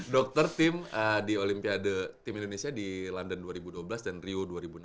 dokter tim di olimpiade tim indonesia di london dua ribu dua belas dan rio dua ribu enam belas